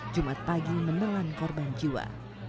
jumat pagi menelan korban jiwa